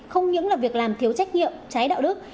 không những là việc làm thiếu trách nhiệm trái đạo đức